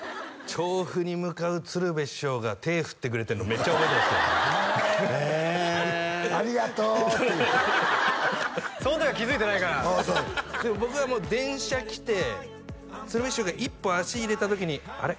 調布に向かう鶴瓶師匠が手振ってくれてんのめっちゃ覚えてますからねへえ「ありがとう！」って言うてその時は気づいてないからそうそうでも僕はもう電車来て鶴瓶師匠が一歩足入れた時にあれ？